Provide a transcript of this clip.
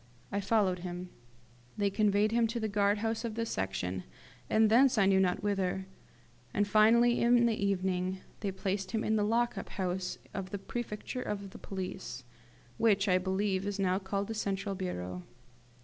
I followed him. They conveyed him to the guard house of the Section, and thence I know not whither; and, finally, in the evening, they placed him in the lockup house of the prefecture of police, which, I believe, is now called the central bureau.